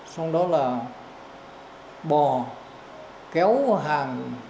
xong đó là bò kéo hàng